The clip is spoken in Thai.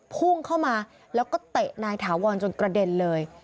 พุ่งเข้ามาแล้วก็เตะนายถาวรจนกระเด็นเลย